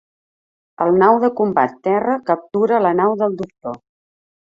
El nau de combat "Terra" captura la nau del Doctor.